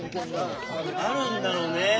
あるんだろうね。